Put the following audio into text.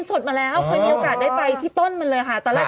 โอเคโอเคโอเค